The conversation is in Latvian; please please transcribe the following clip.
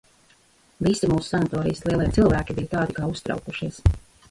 Visi mūsu sanatorijas lielie cilvēki bija tādi kā uztraukušies.